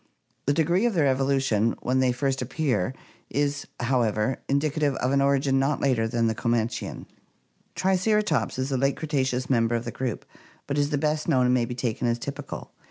The degree of their evolution when they first appear is, however, indicative of an origin not later than the Co manchian. Triceratops (Figs. 166, C; 167) is a late Cretaceous member of the group, but is the best known and may be taken as typical.